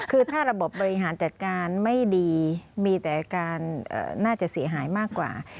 คือถ้าระบบบบริหารจัดการไม่ดีมีแต่การน่าจะเสียหายมากกว่า